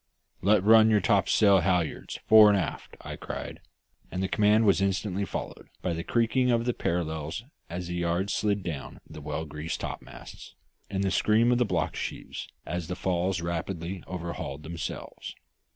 "Let run your topsail halliards, fore and aft," I cried; and the command was instantly followed by the creaking of the parrels as the yards slid down the well greased topmasts, and the scream of the block sheaves as the falls rapidly overhauled themselves.